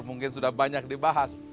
mungkin sudah banyak dibahas